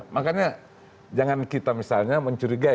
makanya jangan kita misalnya mencurigai